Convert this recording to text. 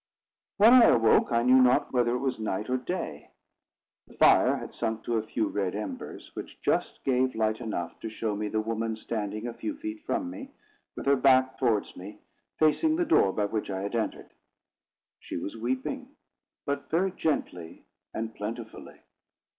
When I awoke, I knew not whether it was night or day. The fire had sunk to a few red embers, which just gave light enough to show me the woman standing a few feet from me, with her back towards me, facing the door by which I had entered. She was weeping, but very gently and plentifully.